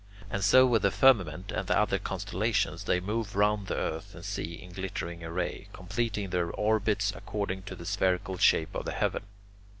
And so with the firmament and the other constellations, they move round the earth and sea in glittering array, completing their orbits according to the spherical shape of the heaven.